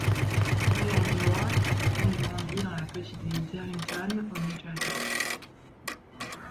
Né à Newark, il grandit dans la petite ville d'Irvington, au New Jersey.